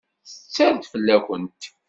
Tetter-d fell-awent.